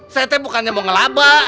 saya bukannya mau ngelaba